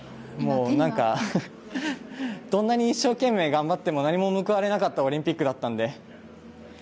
どんなに一生懸命頑張っても、何も報われなかったオリンピックだったんで。